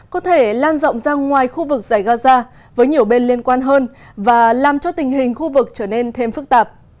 có thể lan rộng ra ngoài khu vực giải gaza với nhiều bên liên quan hơn và làm cho tình hình khu vực trở nên thêm phức tạp